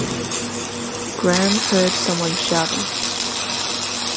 Graham heard someone shouting.